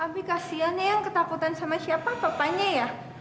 abi kasihan ya yang ketakutan sama siapa papanya ya